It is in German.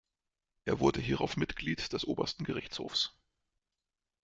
Er wurde hierauf Mitglied des obersten Gerichtshofs.